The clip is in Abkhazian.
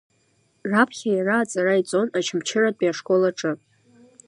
Раԥхьа иара аҵара иҵон Очамчыратәи ашкол аҿы.